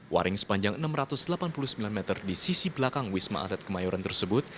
waring sepanjang enam ratus delapan puluh sembilan meter di sisi belakang wisma atlet kemayoran tersebut